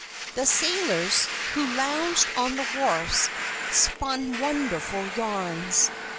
The sailors, who lounged on the wharfs, spun wonderful yarns.